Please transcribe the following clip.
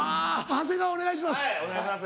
長谷川お願いします。